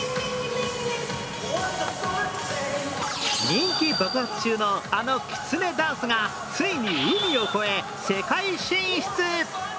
人気爆発中の、あのきつねダンスがついに海を越え世界進出。